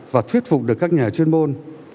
và thuyết phục được các nhà chuyên môn